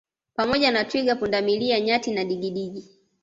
Pamoja na Twiga pundamilia Nyati na digidigi